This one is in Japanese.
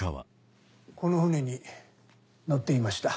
この船に乗っていました。